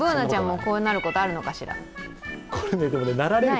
Ｂｏｏｎａちゃんも、こうなることあるのかしら？